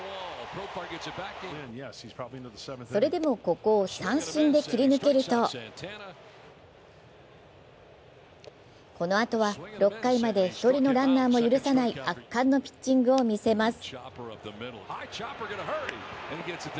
それでもここを三振で切り抜けると、このあとは６回まで１人のランナーも許さない圧巻のピッチングを見せます。